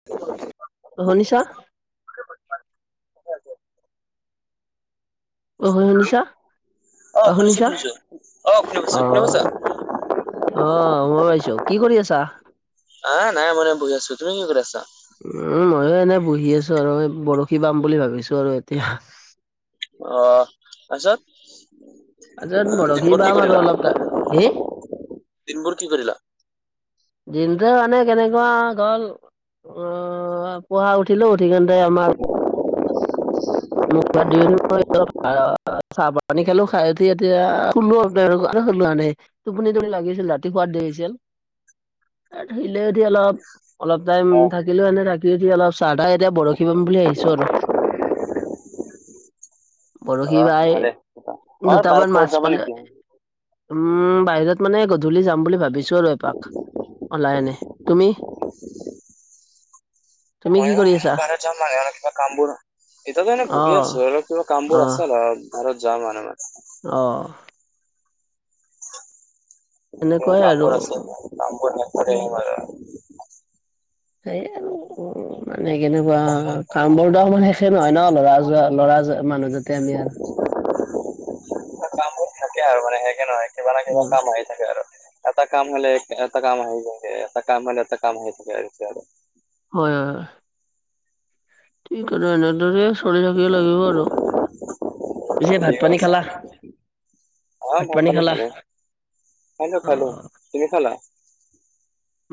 [unintelligible] অ' শুনিছা। অ শুনিছা অ অহ শুনিছো শুনিছা শুনিছো অ শুনি পাইছো অহ। শুনি পাইছা অ' মই ভাইছো কি কৰি আছা? আঁ নাই এনে বহি আছো তুমি কি কৰি আছা? উম' ময়ো এনে বহি আছো আৰু এই বৰশী পাম বুলি ভাবিছো আৰু এতিয়া। অ' তাছত- তাপিছত বৰশী বাম আৰু অলপ টাইম। হুম' দিনবৰ কি কৰিলা? দিনটো মানে কেনেকুৱা গ'ল, অঁ পোৱা উঠিলো উঠি কিনতে আমাৰ- মোক হাত ধুই মেলি মই চাহ পানী খালো খাই উঠি এতিয়া শুলো অলপ টাইম মানে শুলো এনেই। টোপনি টোপনি লাগিছিল ৰাতি শুৱাত দেই হৈছিল, ধিলেদি অলপ- অলপ টাইম অহ থাকিলো এনেই থাকিদি অলপ চাহ তাহ এতিয়া বৰশী বাম বুলি আহিছোঁ আৰু। বৰশী অহ বাই ভালে অ বাৰত দুটামান ক'বাত মাছ যাব পালে। নেকি উম' বাহিৰত মানে গধূলি যাম বুলি ভাবিছো আৰু এপাক। ওলাই এনে তুমি তুমি কি ময়ো কৰি আছা? বাহিৰত যাম মানে অলপ কিবা কাম বোৰ এনে অ বহি আছো অলপ কিবা কামবোৰ আছে অলপ। ঘৰত যাম মানে ময়। অঁ' তুমি এনেকুৱাই আৰু কামবোৰ আছে কামবোৰ শেষ কৰি উম, আহিব পাৰে। এই আৰু মানে কেনেকুৱা কামবোৰতো আমাৰ শেষে নহয় ন ল'ৰা যোৱা লৰা মানুহ যে- তেমিয়াল। কামবোৰ থাকে আৰু মানে সেষে নহয় কিবা না কিবা উম, কাম আহি থাকে আৰু। এটা কাম হলে এটা কাম হৈ থাকে এটা কাম হলে এটা কাম হৈ থাকে আৰু। হয় হয়। ঠিক এনেদৰে চলি থাকিবে লাগিব আৰু। পিছে ভাত ঠিকে পানী কৈছা খালা? অ', ভাত পানী পানি খালা খালোঁ, খালোঁ, অ খালোঁ তুমি খালা?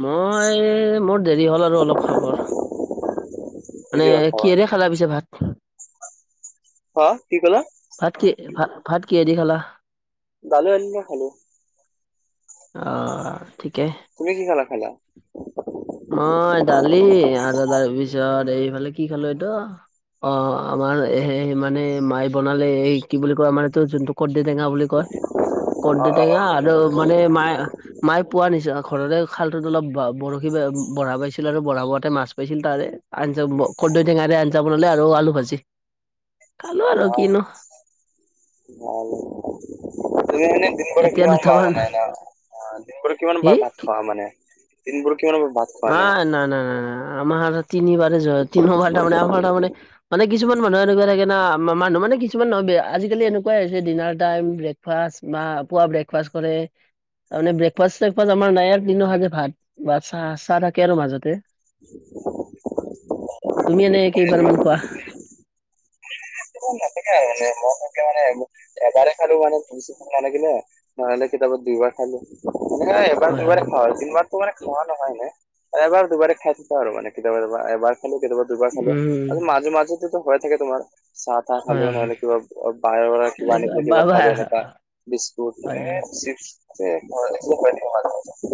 মই মোৰ দেৰি হ'ল আৰু অলপ খাবৰ মানে দিবি কথা কি এৰে খালা পিছে ভাত। অ', কি ক'লা? ভাত কি কিহেদি খালা। দালি আলু নাই খালোঁ। অ', ঠিকে। তুমি কি খেলা খালা? মই দালি আৰু তাৰপিছত এইফালে কি খালোঁ এইটো অ আমাৰে মানে মাই বনালে এই কি বুলি কয় আমাৰ এইটো যোনটো কৰ্দে টেঙা বুলি কয়। অ কৰ্দে অ টেঙা আৰু মানে মায়ে, মায়ে পোৱা নিচিনা ঘৰতে খালটোত অলপ বৰশী বঢ়া পাইছিল আৰু বঢ়া বতে মাছ পাইছিল তাৰে আঞ্জা কৰ্দৈ টেঙা ৰে আঞ্জা বনালে আৰু আলু ভাজি। [inaudible] খালোঁ আৰু কিনো। অ [unintelligible] দিনবোৰে এতিয়া কিমান বাৰ দুটামান মানে দিনবোৰত কিমান হি পাৰ ভাত কি খোৱা মানে দিনবোৰ কিমান পাৰ ভাত খোৱা নাই ন ন ন আমাৰ তিনি বাৰএ য তিনো বাৰ তাৰমানে আমাৰ তাৰ মানে মানে কিছমান মানুহ এনেকুৱা থাকে ন মানুহ মানে কিছুমান নহয় আজিকালি এনেকুৱাই হৈছে ডিনাৰ টাইম ব্ৰেক ব্ৰেকফাষ্ট বা পুৱা ব্ৰেকফাষ্ট কৰে তাৰমানে ব্ৰেকফাষ্ট চেকফাস্ত আমাৰ নাই আৰ তিনো সাজে ভাত বা চাহ চাহ থাকে আৰু মাজতে তুমি এনে কেইবাৰমান খোৱা? [unintelligible] মানে মই খাইছোঁ মানে এবাৰে খাৰো মানে [unintelligible] এনে কিতাপত দুইবাৰ খালো নাই এবাৰ দুবাৰে খোৱা হয় তিনবাৰ মানে খোৱা নহয় এনে এবাৰ দুবাৰে খাই থৈও আৰু মানে কেতিয়াবা এবাৰ খালোঁ কেতিয়াবা দুবাৰ খালোঁ আৰু উম মাজে মাজেটো হৈ থাকে তোমাৰ চাহ চাহ হয় খালোঁ হয় নহলে কিবা বাহিৰৰ কিবা আনি এনেকুৱা পেলাই বা কিবা বা খালোঁ এনেকা বিস্কুট হয় এ হয় চিপচ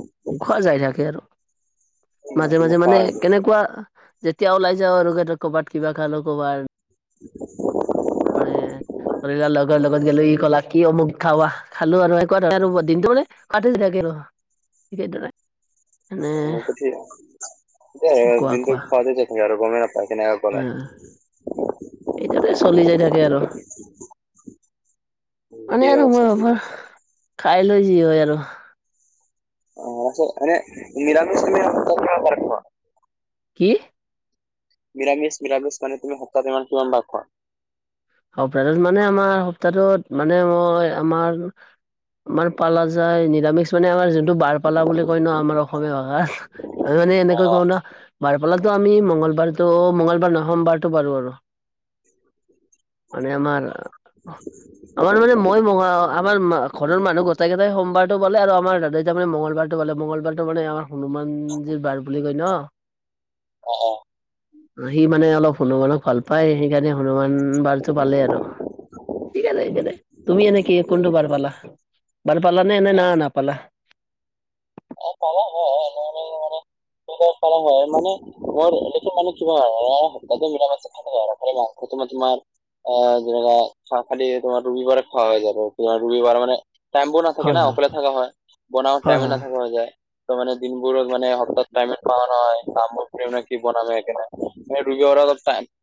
[unintelligible] খোৱা যাই থাকে আৰু মাজে, মাজে খোৱা মানে হৈছে কেনেকুৱা যেতিয়া ওলাই যাও আৰু হেটো ক'ৰবাত কিবা খালোঁ কিবাৰ [inaudible] মানে শৰিলৰ লগৰ লগত গলো ই কলাক কি অমুক খাৱা খালো আৰু [unintelligible] দিনটো মানে কাট [unintelligible] ও সেইটোএ কোৱা দিনটো কোৱা খোৱাতে থাকে আৰু গমেই নাপাই কিনেকা অ', এইটোতে চলি যাই থাকে আৰু। মানে ঠিক আৰু মই অৱস্থা ঠিক অভাৰ অৱস্থা খাই লৈ যি হয় আৰু অ', আছে এনে নিৰামি [inaudible] কি? নিৰামিছ মিৰামিছ মানে তুমি সপ্তাহত এনে কিমানবাৰ খোৱা সপ্তাহটোত মানে আমাৰ সপ্তাহটোত মানে মই আমাৰ আমাৰ পালা যায় নিৰামিষ মানে আমাৰ যোনটো বাৰপালা বুলি কয় ন আমাৰ অসমীয়া ভাষাত আমি মানে এনেকৈ অ', কওঁ না বাৰ পালাতো আমি মংগলবাৰতো, অ' মংগলবাৰ নহয় সোমাবাৰতো পাৰো আৰু। [inaudible] মানে আমাৰ [inaudible] আমাৰ মানে মই ম আমাৰ ঘৰৰ মানুহ গোটেই কেটাই সোমাবাৰটো পালে আৰু আমাৰ দাদাই যে আমাৰ মঙংলবাৰটো পালে, মঙ্গলবাৰতটো মানে আমাৰ হনুমান জিৰ বাৰ বুলি কয় ন অ', অ'। সি মানে অলপ হনুমানক ভাল পায়, সেইকাৰণে হনুমান বাৰটো পালে আৰু। ঠিক আছে তুমি এনে কি কোনটো বাৰ পালা বাৰ পালা নে এনে না নাপালা? অ' পালো অলপ মানে কৰা হয় মানে বৰ এনেকে মানে কিবা হয় সপ্তাহ মৰাম আছে [unintelligible] প্ৰথমে তোমাৰ আহ, যেনে চা খালি তোমাৰ ৰবিবাৰে খোৱা হৈ যাবি ৰবিবাৰে খোৱা হয় [unintelligible] টাইম বোৰ নাথাকে হয় না হয় অকলে থাকা হয়, বনোৱা হয় টাইমো নাথাকা হয় হৈ যায়। টো মানে দিনবোৰত মানে সপ্তাহত টাইম এত পাওঁ নহই কামবোৰ কোনে কি বনালে? মানে [unintelligible] আগত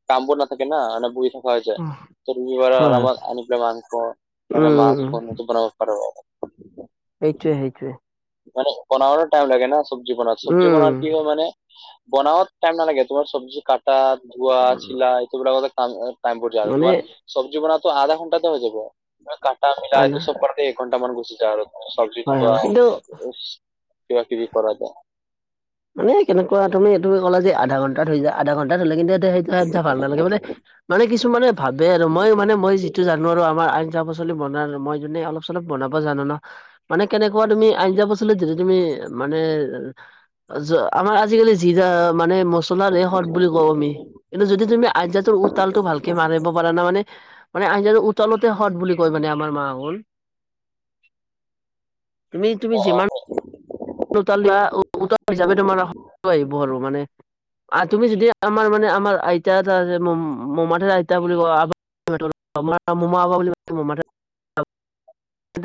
কামবোৰ নাথাকে না এনে বহি থাকো। হয় যায় টো বি বাৰ হয় হয় আৰামত আনি পেলাই মাংস, উম মাছ উম [unintelligible] বনাব পাৰোঁ। আৰু সেইটোৱে সেইটোৱে। মানে বনাব টাইম লাগে না, চব্জি উম বনাব কি হয় মানে বনাৱাত টাইম নালাগে, তোমাৰ চব্জি কাটা, ধোৱা, চিলাই [unintelligible] সেইবিলাকতে টাইমবোৰ যাই, মানে তোমাৰ চজ্বি বনোৱাটো আধা ঘণ্টাতে হৈ যাব। কাটা মিলাই আনা এইটো চব কৰোতে এঘণ্টা মান গুচি যায় আৰু চব্জি হয় থোৱা হয় আৰু কিন্তু কিবাকিবি কৰা যায়। মানে কেনেকুৱা তুমি এইটো ক'লা যে আধা ঘণ্টাত হৈ যায়, আধা ঘণ্টা ধৰিলে কিন্তু সেইটো আজ্ঞা ভাল নালাগে মানে। মানে কিছুমানে ভাবে আৰু মই মানে মই যিটো জানোঁ নোৱাৰো, আমাৰ আঞ্জা পাচলি বনাৰ মই যোনে অলপ চলপ বনাব জানোঁ ন। মানে কেনেকুৱা তুমি আঞ্জা পাচলিত যিটো তুমি মানে যোৱাৰ, আমাৰ আজিকালি যিটা মানে মছলাৰে সোৱাদ বুলি কওঁ আমি, কিন্তু যদি তুমি আঞ্জাটোৰ উতালতটো ভালকে মাৰিব পাৰা না মানে মানে আঞ্জাটো উতলোৱতে সোৱাদ বুলি কয় মানে আমাৰ মাহত আহুন তুমি তুমি অ যিমান অ উতলোৱা উতৰ হিচাপে তোমাৰ আহিব আৰু মানে আৰু তুমি যদি আমাৰ মানে আমাৰ আইতা এটা মমাঠৰ আইতা বুলি কও আৰু মোমা মোমা বুলি মোমা [unintelligible]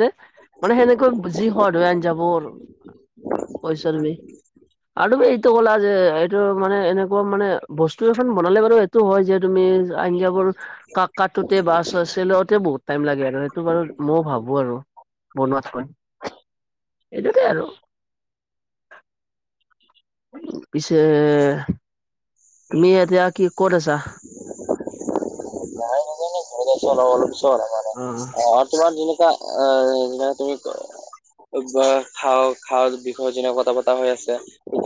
মানে সেনেকৈ যি হোৱা আন্জাবোৰ আৰু [unintelligible] পইচাৰবি [unintelligible] এইটো ক'লা যে এইটো মানে এনেকুৱা মানে বস্তু এখন বনালে মানে এইটো হয় যে তুমি আন্জাবোৰ কাক কটোতে বাছটে আছে লওঁতে বহুত টাইম লাগে আৰু সেইটো বাৰু মইও ভাবো আৰু [unintelligible] বনোৱাত হয় এইটোকে আৰু পিছে তুমি এতিয়া কি ক'ত আছা? নাই নদ নাজানো ঘৰি গছ ন ন অ [unintelligible] ম অ' তোমাৰ যেনেকুৱা যে তুমি খাওঁ খাওঁৰ বিষয়ে যেনে কথা বতৰা হৈ আছে।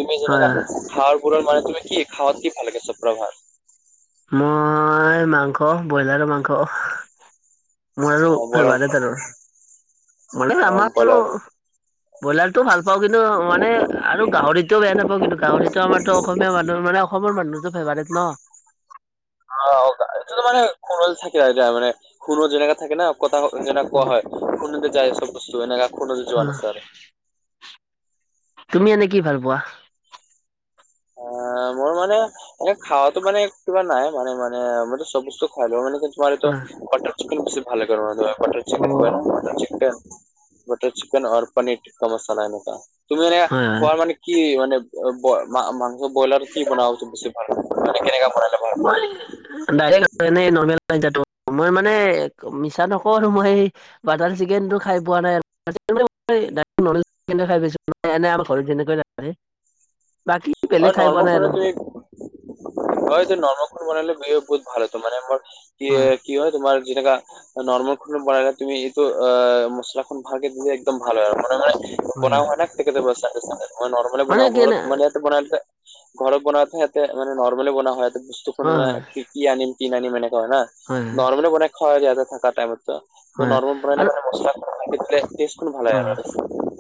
তুমি হয় যেনেকা খাৱাৰ বোৰৰ মানে তুমি কি খাৱাত কি ভাল লাগে চব পৰা ভাল মই মাংস ব্ৰইলাৰৰ মাংস। মোৰ আৰু অ বৰাৰ ফেবাৰেট আৰু মানে অ আমাৰ আৰু ব্ৰইলাৰ ব্ৰইলাৰ ও ভাল পাওঁ কিন্তু, মানে আৰু গাহৰিতোও বেয়া নাপাওঁ কিন্তু গাহৰিতটো আমাৰো অসমীয়া মানুহ মানে অসমৰ মানুহতটো ফেভাৰেট ন? অ মানে খুনল থাকে মানে খুনল যেনেকা থাকে ন কথা যেনে কোৱা হয় [unintelligible] তুমি এনে কি ভাল পোৱা? অ মই মানে মানে খাৱাতো মানে কিবা নাই মানে মানে মই চব বস্তু খাই ল মানে কি অ [unintelligible] বটৰ চিকন আৰু পনীৰ কা মছালা এনেকা। তুমি মে হয় হয় মান কি মানে মাংস ব্ৰইলাৰ কি বনাব উ বেছি ভাল লাগে মানে কেনেকা বনাই লে [unintelligible] দাইৰেক এনে নৰ্মেল মই মানে মিছা নকওঁ আৰু মই স বাটাৰ চিকেন টো খাই পোৱা নাই [unintelligible] এ এনে আমাৰ ঘৰত যেনেকৈ নাপে বাকী অ বেলেগ খাই পোৱা নৰ্মল নাই ফলত আৰু তুমি হয় যে নৰমখল বনালে বিয় বহুত ভাল ত মান মাৰ কি কি হয় তোমাৰ যেনেকা নৰৰ্মেল খু বনালে তুমি এইটো আহ মছলাখন ভালকে দি একদম ভাল হয় আৰু মানে হয় হয় হয় [unintelligible] মই নৰ্মেলে মানে বনাওঁ কি ঘৰত মানে হয় বনালতে ঘৰত বনাওঁতে সিহতে মানে নৰ্মেলে বনোৱা হয় ইহতে হয় বস্তু কি কি আনিম কি নানিম এনেকুৱা হয় না, নৰ্মেলে বনাই খোৱা যতে থাকাৰ টাইমত ন হয় হয় আৰু [unintelligible] ষ্টেটখন অ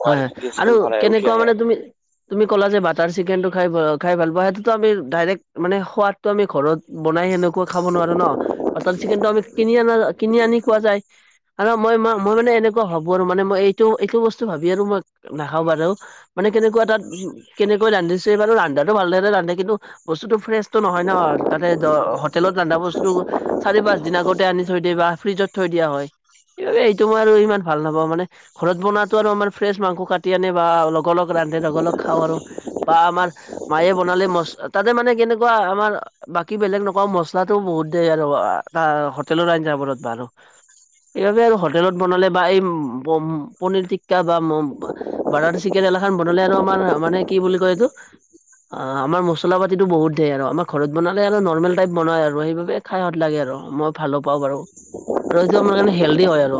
হয় হয় আৰু ভাল উঠি কেনেকুৱা আহে মানে আৰু তুমি তুমি কলা যে বাটাৰ চিকেন টো খাই খাই ভাল পোৱা, সেইটোতো আমি ডাইৰেক্ট মানে সোৱাদটো আমি ঘৰত বনাই সেনেকুৱা খাব নোৱাৰো ন? বাটাৰ চিকেনটো আমি কিনি আনা কিনি আনি খোৱা যায়। আৰু মই ম মই মানে এনেকুৱা ভাবো আৰু মানে মই এইটো এইটো বস্তু ভাবি আৰু মই নাখাওঁ বাৰু। মানে কেনেকুৱা তাত কেনেকৈ ৰান্ধিছে বাৰু ৰান্ধাটো ভালদৰে ৰান্ধে কিন্তু বস্তুতটো ফ্ৰেছটো নহয় ন? তাতে হোটেলত ৰন্ধা বস্তুটো চাৰি পাঁচ দিন আগতে আনি থৈ দিয়ে বা ফ্ৰিজত থৈ দিয়া হয়। এইটো মই আৰু ইমান ভাল নাপাওঁ মানে ঘৰত বনাতো আৰু আমাৰ ফ্ৰেছ মাংস কাটি আনে বা অলপ লক ৰান্ধে ৰকলক খাওঁ আৰু বা আমাৰ মায়ে বনালে মচ তাতে মানে কেনেকুৱা ‌কোৱা আমাৰ বাকী বেলেগ নকওঁ মছলাটো বহুত দিয়ে আৰু। হোটেলৰ আঞ্জাবোৰত ব আৰু এইবাবে আৰু হোটেলত বনালে বা এই পনিৰ বা বাটাৰ চিকেন এলাখন বনালে আৰু আমাৰ মানে কি বুলি কয় এইটো অ আমাৰ মছলা পাতিতো বহুত দিয়ে আৰু। আমাৰ ঘৰত বনালে আৰু নৰ্মেল টাইপ বনাই আৰু সেইবাবে খাইত লাগে আৰু মই ভালো পাওঁ বাৰু। আৰু আমাৰ এইটো কাৰণে হেল্ডি হয় আৰু।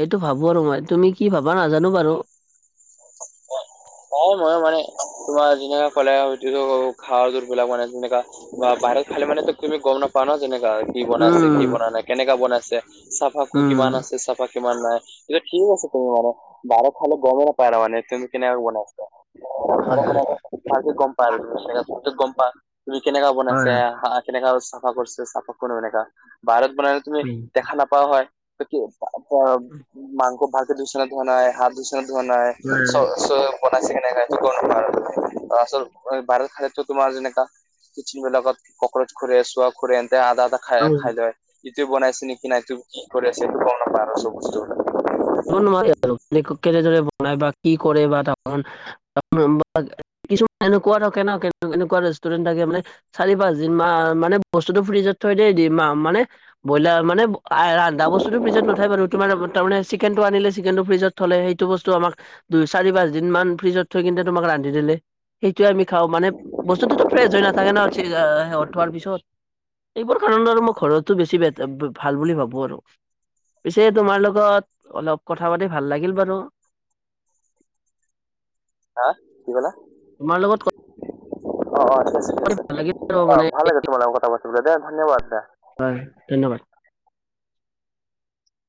সেইটো ভাবো আৰু। মই তুমি কি ভাবা নাজানো বাৰু। হয় ময়ো মানে তোমাৰ যেনেকা কলে [unintelligible] বিলাক মানে যেনেকা বা বাহত খালে মানে তো তুমি গম নাপা ন যেনেকা হয় কি বনাইছে, কি উম বনাই নাই, কেনেকা বনাইছে, চাফা উম কিমান আছে চাফা কিমান নাই। য়া ঠিক আছে তুমি মান বাৰত খালে গম নাপাইা মে তুমি কেনেক বনাইছা হয় হয় [unintelligible] আৰু গম পা তুমি কেনেকা বনাই হয় আছে হয় হয়। কেনেকা চাফা কৰিছে চাফা কৰো এনেকা, বাহত বনাইলে তুমি দেখা নাপাৱা হয় কি? মাংস ভাগি দূষণ ধোৱা নাই হাত দূষণ ধোৱা নাই চৌ চৌ [unintelligible] তোমাৰ যেনেকা কিচিন বিলাকত কক্ৰচ ঘুৰে চোৱা ঘুৰে এনকা আদা আদা খাই খাই ক'ব লয়। ইটো বানাইছে নে কি ন ত কি কৰি আছে, গম নাপাওঁ বস্তুটো [inaudible] কিছুমান এনেকুৱা ধৰ কেনকা এনেকুৱা ৰেষ্টুৰেণ্ট থাকে মানে চাৰি পাঁচ দিন মা মানে বস্তুতটো ফ্ৰিজত থৈ দেই দিম মা মানে ব্ৰইলাৰ মানে ৰান্ধা বস্তুটো ফ্ৰিজত নথায় বাৰু, তোমাৰ তাৰে চিকেনটো আনিলে চিকেনটো ফ্ৰিজত থলে সেইটো বস্তু আমাক দুই চাৰি পাঁচ দিন মান ফ্ৰিজত থৈ কিনে তোমাক ৰান্ধি দিলে। সেইটো আমি খাওঁ মানে বস্তুটোতো ফ্ৰেছ হৈ নাথাকে ন অ শেহত থোৱাৰ পিছত। এইবোৰ কাৰণে আৰু মই ঘৰতো বেছি ভাল বুলি ভাবো আৰু। পিছে তোমাৰ লগত অলপ কথা পাতি ভাল লাগিল বাৰু। হা কি কলা? তোমাৰ লগত কথা অঁ ঠিক আছে ঠিক পাতি আছে, ভাল লাগিল আৰু আঁহ মানে ভাল লাগে তোমাৰ লগত কথা পাতিব দে ধন্যবাদ দে। হয়, ধন্যবাদ।